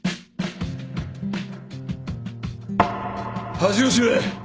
恥を知れ！